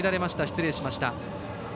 失礼しました。